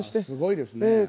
すごいですね。